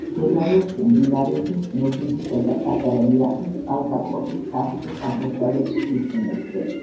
მდებარეობს მდინარეების მეჯუდისა და პატარა ლიახვის წყალგამყოფის სამხრეთ-აღმოსავლეთ მთისწინეთზე.